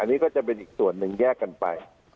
อันนี้ก็จะเป็นอีกส่วนหนึ่งแยกกันไป